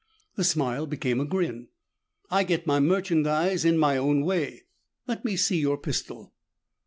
The smile became a grin. "I get my merchandise in my own way. Let me see your pistol."